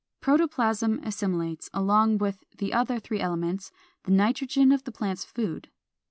Protoplasm assimilates, along with the other three elements, the nitrogen of the plant's food.